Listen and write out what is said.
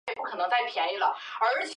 雄鱼一般比雌鱼早熟一年。